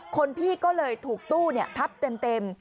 คนพี่ก็เลยถูกตู้ทับเต็ม